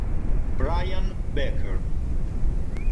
Brian Baker